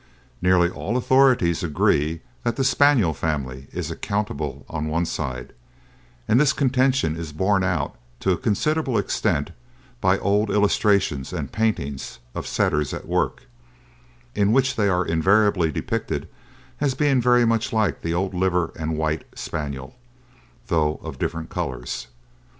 Nearly all authorities agree that the Spaniel family is accountable on one side, and this contention is borne out to a considerable extent by old illustrations and paintings of Setters at work, in which they are invariably depicted as being very much like the old liver and white Spaniel, though of different colours.